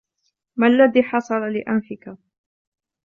ما الذي حصل لأنفك.